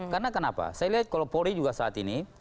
karena kenapa saya lihat kalau polri juga saat ini